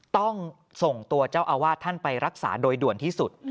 ต้องส่งตัวเจ้าอาวาสท่านไปรักษาโดยด่วนที่สุด